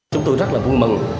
chúng tôi rất là vui mừng